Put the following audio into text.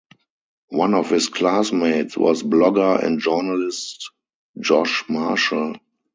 One of his classmates was blogger and journalist Josh Marshall.